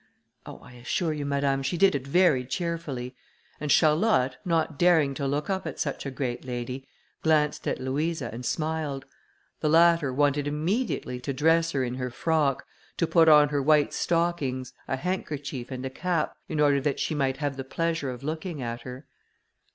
Oh, I assure you, madame, she did it very cheerfully," and Charlotte, not daring to look up at such a great lady, glanced at Louisa, and smiled. The latter wanted immediately to dress her in her frock, to put on her white stockings, a handkerchief, and a cap, in order that she might have the pleasure of looking at her.